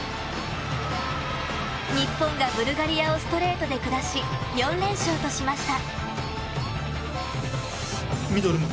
日本がブルガリアをストレートで下し４連勝としました。